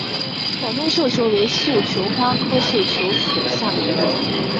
广东绣球为绣球花科绣球属下的一个种。